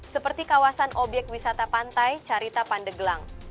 seperti kawasan obyek wisata pantai carita pandeglang